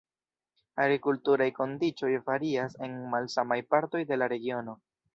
Agrikulturaj kondiĉoj varias en malsamaj partoj de la regiono.